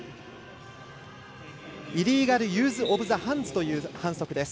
イリーガルユーズオブザハンズという反則です。